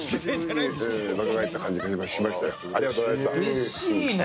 うれしいね。